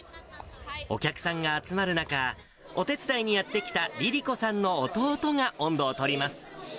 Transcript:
お客さんが集まる中、お手伝いにやって来た梨里子さんの弟が音頭を取ります。